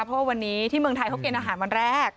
เพราะว่าวันนี้ที่เมืองไทยเขากินอาหารวันแรก